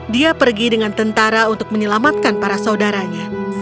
dia pergi dengan tentara untuk menyelamatkan para saudaranya